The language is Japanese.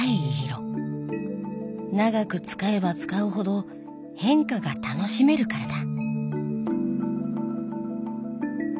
長く使えば使うほど変化が楽しめるからだ。